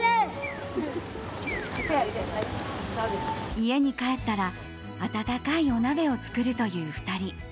家に帰ったら温かいお鍋を作るという２人。